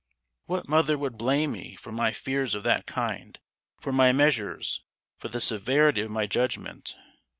"What mother would blame me for my fears of that kind, for my measures, for the severity of my judgment?